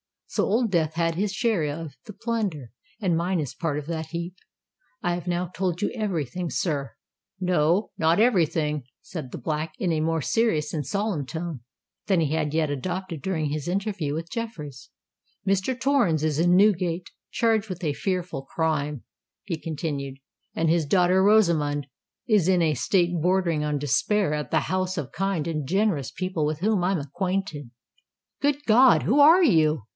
So Old Death had his share of the plunder; and mine is part of that heap. I have now told you every thing, sir——" "No—not every thing!" said the Black, in a more serious and solemn tone than he had yet adopted during his interview with Jeffreys. "Mr. Torrens is in Newgate—charged with a fearful crime," he continued; "and his daughter Rosamond is in a state bordering on despair at the house of kind and generous people with whom I am acquainted." "Good God! who are you?"